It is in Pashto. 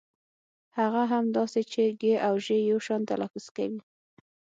هغه هم داسې چې ږ او ژ يو شان تلفظ کوي.